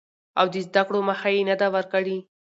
او د زده کړو مخه يې نه ده ورکړې.